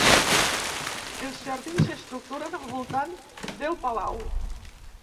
Els jardins s'estructuren al voltant del palau.